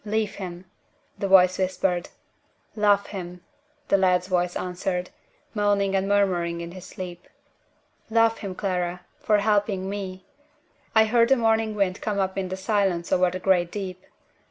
leave him!' the voice whispered. 'Love him!' the lad's voice answered, moaning and murmuring in his sleep. 'Love him, Clara, for helping me!' I heard the morning wind come up in the silence over the great deep.